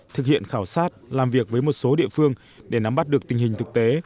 thực hiện khảo sát làm việc với một số địa phương để nắm bắt được tình hình thực tế